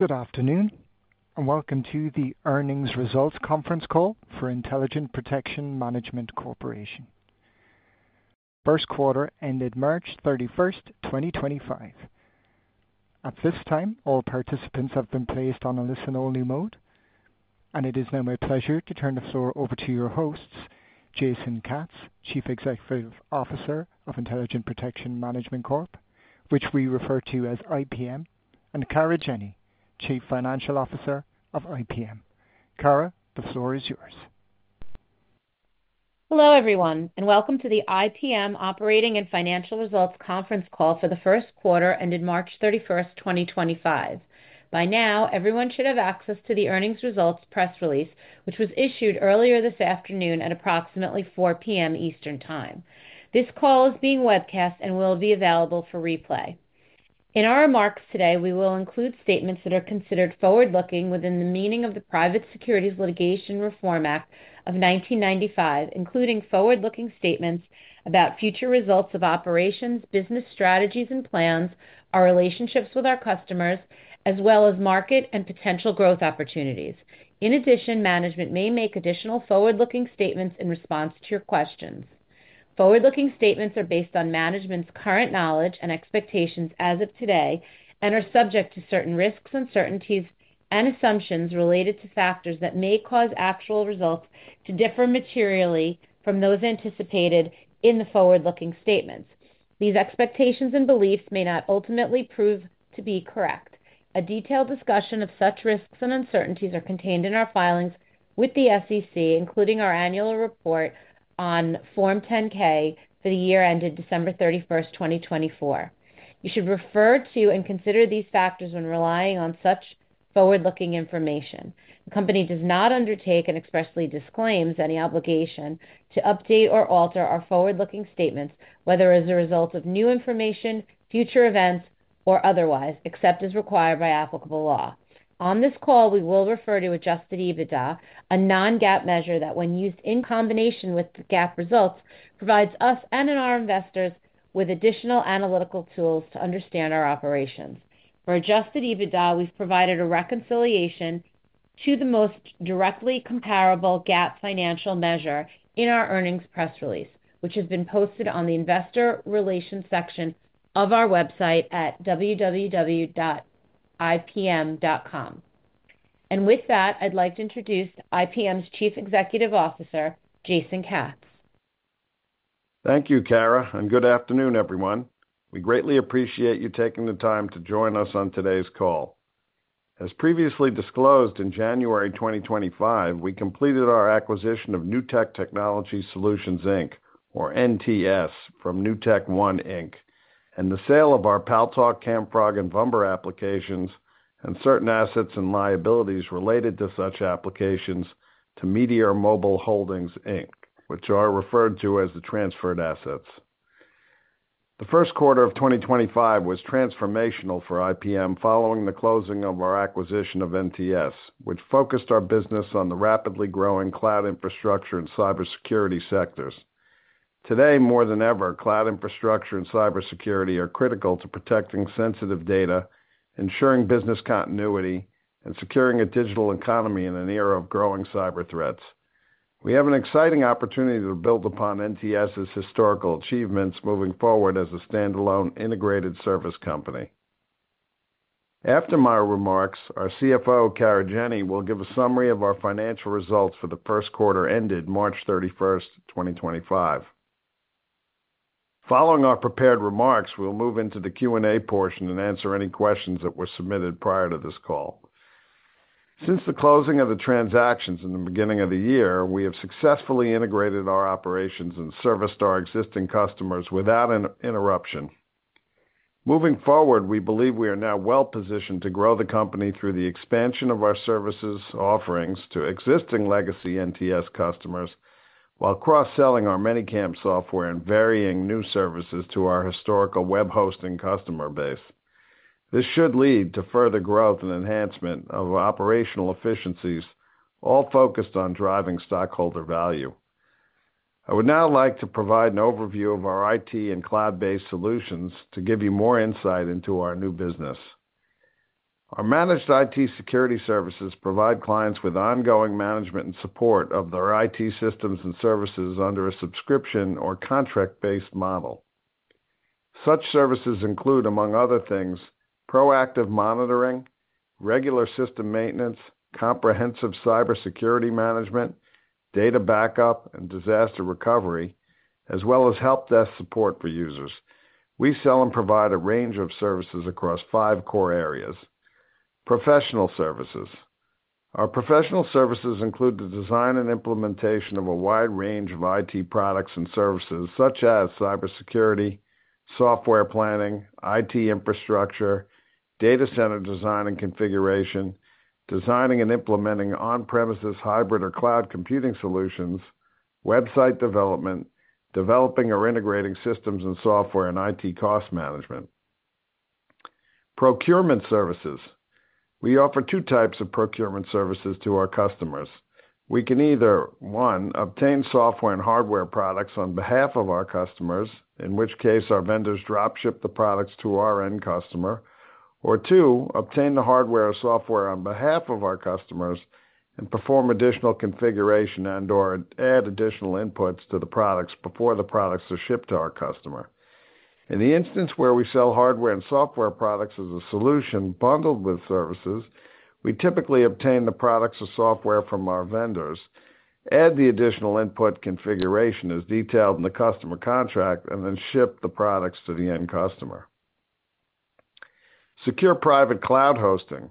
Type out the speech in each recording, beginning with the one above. Good afternoon, and welcome to the earnings results conference call for Intelligent Protection Management Corporation. First quarter ended March 31st, 2025. At this time, all participants have been placed on a listen-only mode, and it is now my pleasure to turn the floor over to your hosts, Jason Katz, Chief Executive Officer of Intelligent Protection Management Corp, which we refer to as IPM, and Kara Jenny, Chief Financial Officer of IPM. Kara, the floor is yours. Hello, everyone, and welcome to the IPM Operating and Financial Results Conference Call for the first quarter ended March 31st, 2025. By now, everyone should have access to the earnings results press release, which was issued earlier this afternoon at approximately 4:00 P.M. Eastern Time. This call is being webcast and will be available for replay. In our remarks today, we will include statements that are considered forward-looking within the meaning of the Private Securities Litigation Reform Act of 1995, including forward-looking statements about future results of operations, business strategies and plans, our relationships with our customers, as well as market and potential growth opportunities. In addition, management may make additional forward-looking statements in response to your questions. Forward-looking statements are based on management's current knowledge and expectations as of today and are subject to certain risks, uncertainties, and assumptions related to factors that may cause actual results to differ materially from those anticipated in the forward-looking statements. These expectations and beliefs may not ultimately prove to be correct. A detailed discussion of such risks and uncertainties is contained in our filings with the SEC, including our annual report on Form 10-K for the year ended December 31st, 2024. You should refer to and consider these factors when relying on such forward-looking information. The company does not undertake and expressly disclaims any obligation to update or alter our forward-looking statements, whether as a result of new information, future events, or otherwise, except as required by applicable law. On this call, we will refer to adjusted EBITDA, a non-GAAP measure that, when used in combination with GAAP results, provides us and our investors with additional analytical tools to understand our operations. For adjusted EBITDA, we've provided a reconciliation to the most directly comparable GAAP financial measure in our earnings press release, which has been posted on the investor relations section of our website at www.ipm.com. With that, I'd like to introduce IPM's Chief Executive Officer, Jason Katz. Thank you, Kara, and good afternoon, everyone. We greatly appreciate you taking the time to join us on today's call. As previously disclosed in January 2025, we completed our acquisition of Newtek Technology Solutions Inc, or NTS, from NewtekOne Inc, and the sale of our Paltalk Camfrog, and Vumber applications and certain assets and liabilities related to such applications to Meteor Mobile Holdings, which are referred to as the transferred assets. The first quarter of 2025 was transformational for IPM following the closing of our acquisition of NTS, which focused our business on the rapidly growing cloud infrastructure and cybersecurity sectors. Today, more than ever, cloud infrastructure and cybersecurity are critical to protecting sensitive data, ensuring business continuity, and securing a digital economy in an era of growing cyber threats. We have an exciting opportunity to build upon NTS's historical achievements moving forward as a standalone integrated service company. After my remarks, our CFO, Kara Jenny, will give a summary of our financial results for the first quarter ended March 31st, 2025. Following our prepared remarks, we'll move into the Q&A portion and answer any questions that were submitted prior to this call. Since the closing of the transactions in the beginning of the year, we have successfully integrated our operations and serviced our existing customers without an interruption. Moving forward, we believe we are now well-positioned to grow the company through the expansion of our services offerings to existing legacy NTS customers while cross-selling our ManyCam software and varying new services to our historical web hosting customer base. This should lead to further growth and enhancement of operational efficiencies, all focused on driving stockholder value. I would now like to provide an overview of our IT and cloud-based solutions to give you more insight into our new business. Our managed IT security services provide clients with ongoing management and support of their IT systems and services under a subscription or contract-based model. Such services include, among other things, proactive monitoring, regular system maintenance, comprehensive cybersecurity management, data backup and disaster recovery, as well as help desk support for users. We sell and provide a range of services across five core areas. Professional services. Our professional services include the design and implementation of a wide range of IT products and services such as cybersecurity, software planning, IT infrastructure, data center design and configuration, designing and implementing on-premises, hybrid, or cloud computing solutions, website development, developing or integrating systems and software, and IT cost management. Procurement services. We offer two types of procurement services to our customers. We can either, one, obtain software and hardware products on behalf of our customers, in which case our vendors dropship the products to our end customer, or two, obtain the hardware or software on behalf of our customers and perform additional configuration and or add additional inputs to the products before the products are shipped to our customer. In the instance where we sell hardware and software products as a solution bundled with services, we typically obtain the products or software from our vendors, add the additional input configuration as detailed in the customer contract, and then ship the products to the end customer. Secure Private Cloud Hosting.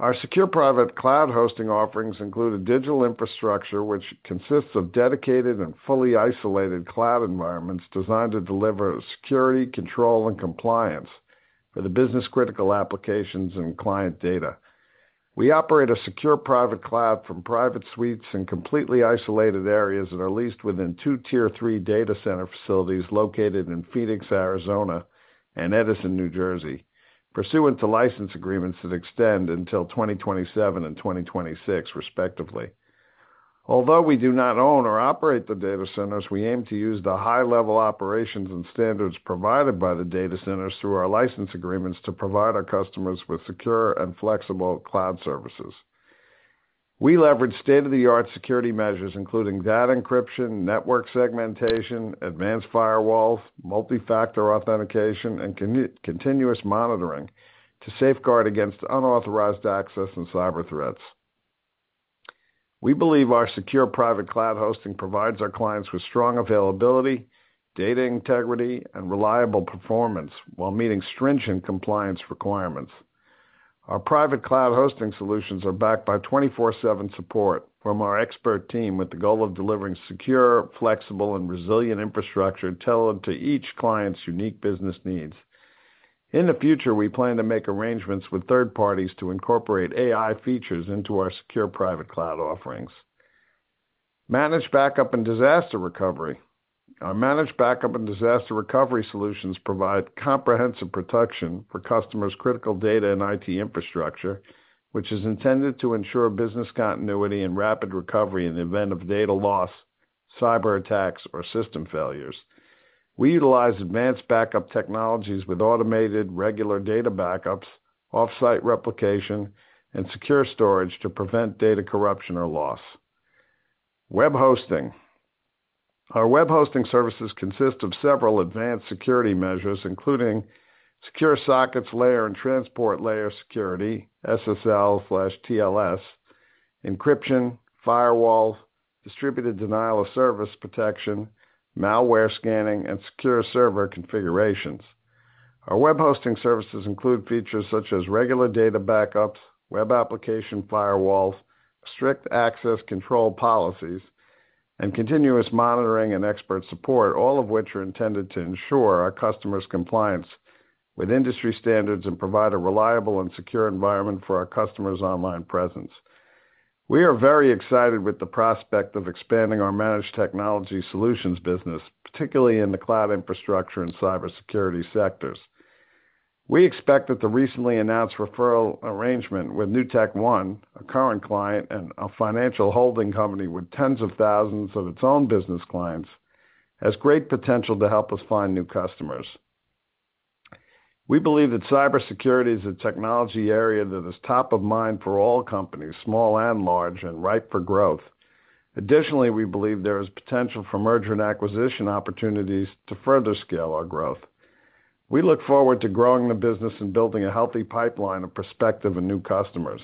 Our secure private cloud hosting offerings include a digital infrastructure which consists of dedicated and fully isolated cloud environments designed to deliver security, control, and compliance for the business-critical applications and client data. We operate a secure private cloud from private suites and completely isolated areas that are leased within two Tier 3 data center facilities located in Phoenix, Arizona, and Edison, New Jersey, pursuant to license agreements that extend until 2027 and 2026, respectively. Although we do not own or operate the data centers, we aim to use the high-level operations and standards provided by the data centers through our license agreements to provide our customers with secure and flexible cloud services. We leverage state-of-the-art security measures, including data encryption, network segmentation, advanced firewalls, multi-factor authentication, and continuous monitoring to safeguard against unauthorized access and cyber threats. We believe our secure private cloud hosting provides our clients with strong availability, data integrity, and reliable performance while meeting stringent compliance requirements. Our private cloud hosting solutions are backed by 24/7 support from our expert team with the goal of delivering secure, flexible, and resilient infrastructure tailored to each client's unique business needs. In the future, we plan to make arrangements with third parties to incorporate AI features into our secure private cloud offerings. Managed backup and disaster recovery. Our managed backup and disaster recovery solutions provide comprehensive protection for customers' critical data and IT infrastructure, which is intended to ensure business continuity and rapid recovery in the event of data loss, cyber attacks, or system failures. We utilize advanced backup technologies with automated regular data backups, off-site replication, and secure storage to prevent data corruption or loss. Web hosting. Our web hosting services consist of several advanced security measures, including secure sockets layer and transport layer security, SSL/TLS, encryption, firewall, distributed denial of service protection, malware scanning, and secure server configurations. Our web hosting services include features such as regular data backups, web application firewalls, strict access control policies, and continuous monitoring and expert support, all of which are intended to ensure our customers' compliance with industry standards and provide a reliable and secure environment for our customers' online presence. We are very excited with the prospect of expanding our managed technology solutions business, particularly in the cloud infrastructure and cybersecurity sectors. We expect that the recently announced referral arrangement with NewtekOne, a current client and a financial holding company with tens of thousands of its own business clients, has great potential to help us find new customers. We believe that cybersecurity is a technology area that is top of mind for all companies, small and large, and ripe for growth. Additionally, we believe there is potential for merger and acquisition opportunities to further scale our growth. We look forward to growing the business and building a healthy pipeline of prospective and new customers.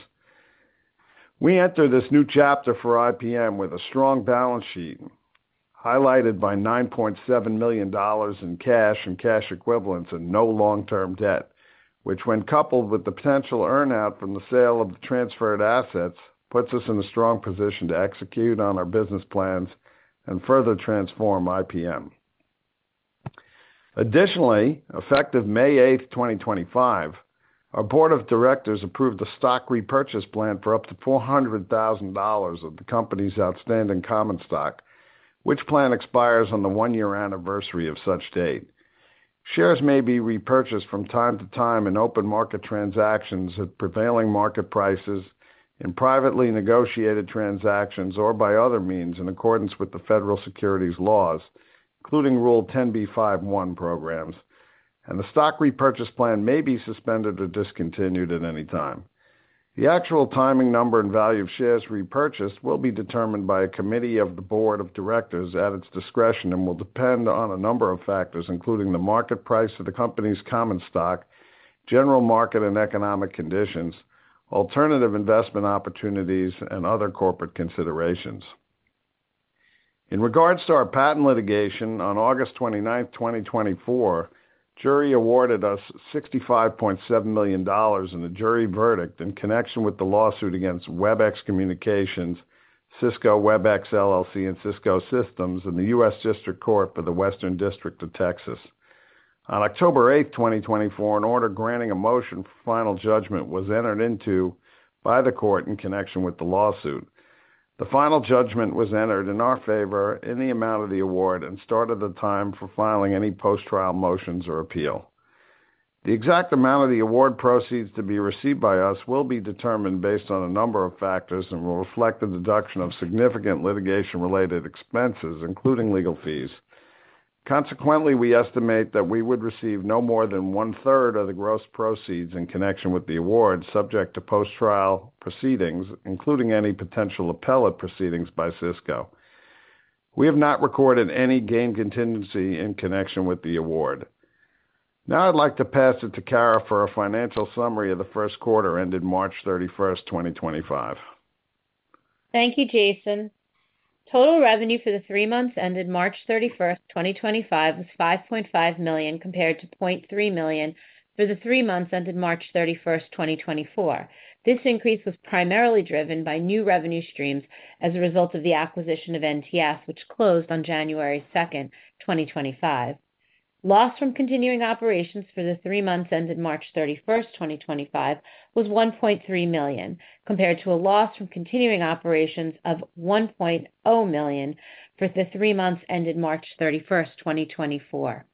We enter this new chapter for IPM with a strong balance sheet highlighted by $9.7 million in cash and cash equivalents and no long-term debt, which, when coupled with the potential earnout from the sale of the transferred assets, puts us in a strong position to execute on our business plans and further transform IPM. Additionally, effective May 8th, 2025, our board of directors approved a stock repurchase plan for up to $400,000 of the company's outstanding common stock, which plan expires on the one-year anniversary of such date. Shares may be repurchased from time to time in open market transactions at prevailing market prices, in privately negotiated transactions, or by other means in accordance with the federal securities laws, including Rule 10b5-1 programs, and the stock repurchase plan may be suspended or discontinued at any time. The actual timing, number, and value of shares repurchased will be determined by a committee of the board of directors at its discretion and will depend on a number of factors, including the market price of the company's common stock, general market and economic conditions, alternative investment opportunities, and other corporate considerations. In regards to our patent litigation, on August 29th, 2024, a jury awarded us $65.7 million in a jury verdict in connection with the lawsuit against Webex Communications, Cisco Webex, and Cisco Systems in the U.S. District Court for the Western District of Texas. On October 8th, 2024, an order granting a motion for final judgment was entered into by the court in connection with the lawsuit. The final judgment was entered in our favor in the amount of the award and started the time for filing any post-trial motions or appeal. The exact amount of the award proceeds to be received by us will be determined based on a number of factors and will reflect the deduction of significant litigation-related expenses, including legal fees. Consequently, we estimate that we would receive no more than one-third of the gross proceeds in connection with the award, subject to post-trial proceedings, including any potential appellate proceedings by Cisco. We have not recorded any gain contingency in connection with the award. Now I'd like to pass it to Kara for a financial summary of the first quarter ended March 31st, 2025. Thank you, Jason. Total revenue for the three months ended March 31st, 2025, was $5.5 million compared to $0.3 million for the three months ended March 31st, 2024. This increase was primarily driven by new revenue streams as a result of the acquisition of NTS, which closed on January 2nd, 2025. Loss from continuing operations for the three months ended March 31st, 2025, was $1.3 million compared to a loss from continuing operations of $1.0 million for the three months ended March 31st, 2024.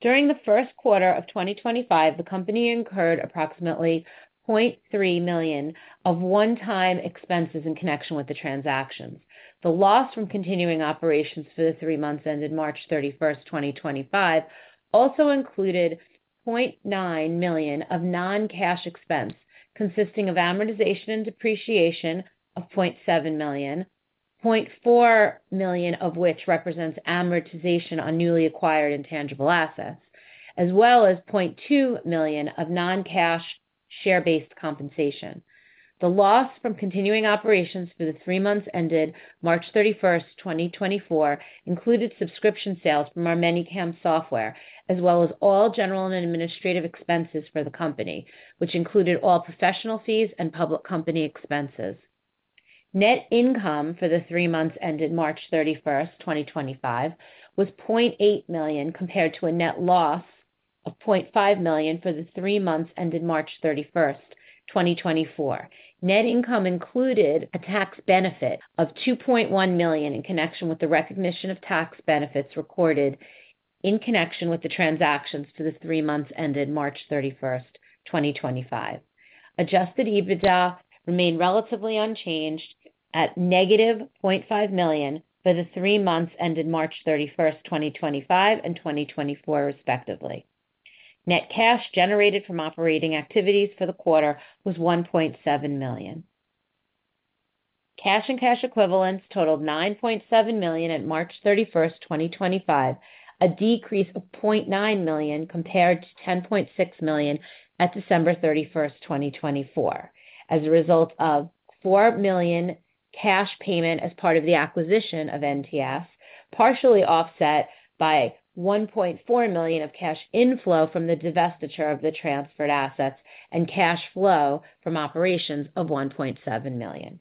During the first quarter of 2025, the company incurred approximately $0.3 million of one-time expenses in connection with the transactions. The loss from continuing operations for the three months ended March 31st, 2025, also included $0.9 million of non-cash expense consisting of amortization and depreciation of $0.7 million, $0.4 million of which represents amortization on newly acquired intangible assets, as well as $0.2 million of non-cash share-based compensation. The loss from continuing operations for the three months ended March 31st, 2024, included subscription sales from our ManyCam software, as well as all general and administrative expenses for the company, which included all professional fees and public company expenses. Net income for the three months ended March 31st, 2025, was $0.8 million compared to a net loss of $0.5 million for the three months ended March 31st, 2024. Net income included a tax benefit of $2.1 million in connection with the recognition of tax benefits recorded in connection with the transactions for the three months ended March 31st, 2025. Adjusted EBITDA remained relatively unchanged at negative $0.5 million for the three months ended March 31st, 2025, and 2024, respectively. Net cash generated from operating activities for the quarter was $1.7 million. Cash and cash equivalents totaled $9.7 million at March 31st, 2025, a decrease of $0.9 million compared to $10.6 million at December 31st, 2024, as a result of $4 million cash payment as part of the acquisition of NTS, partially offset by $1.4 million of cash inflow from the divestiture of the transferred assets and cash flow from operations of $1.7 million.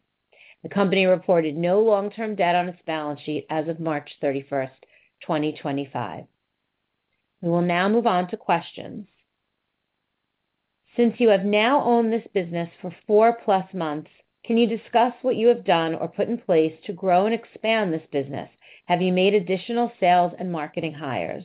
The company reported no long-term debt on its balance sheet as of March 31st, 2025. We will now move on to questions. Since you have now owned this business for four-plus months, can you discuss what you have done or put in place to grow and expand this business? Have you made additional sales and marketing hires?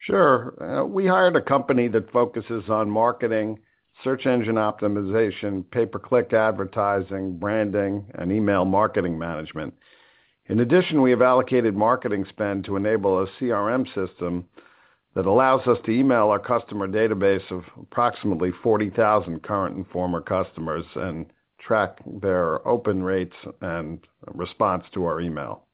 Sure. We hired a company that focuses on marketing, search engine optimization, pay-per-click advertising, branding, and email marketing management. In addition, we have allocated marketing spend to enable a CRM system that allows us to email our customer database of approximately 40,000 current and former customers and track their open rates and response to our email.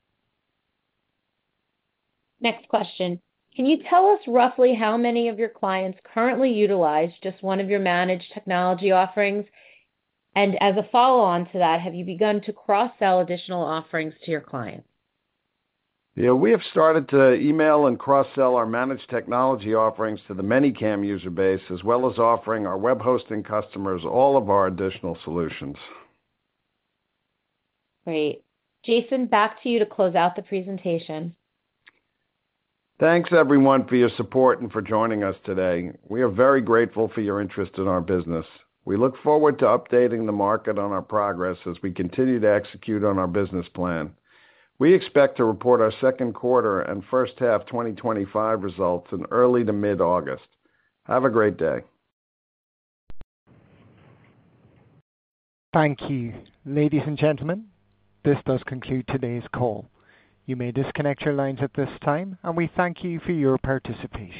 Next question. Can you tell us roughly how many of your clients currently utilize just one of your managed technology offerings? As a follow-on to that, have you begun to cross-sell additional offerings to your clients? Yeah, we have started to email and cross-sell our managed technology offerings to the ManyCam user base, as well as offering our web hosting customers all of our additional solutions. Great. Jason, back to you to close out the presentation. Thanks, everyone, for your support and for joining us today. We are very grateful for your interest in our business. We look forward to updating the market on our progress as we continue to execute on our business plan. We expect to report our second quarter and first half 2025 results in early to mid-August. Have a great day. Thank you. Ladies and gentlemen, this does conclude today's call. You may disconnect your lines at this time, and we thank you for your participation.